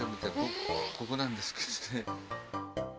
ここなんですけどね。